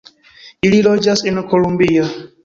Ili loĝas en Columbia.